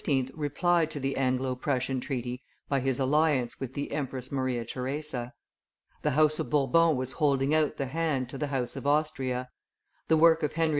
replied to the Anglo Prussian treaty by his alliance with the Empress Maria Theresa. The house of Bourbon was holding out the hand to the house of Austria; the work of Henry IV.